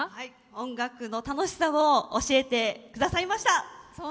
音楽の楽しさを教えてくださいました。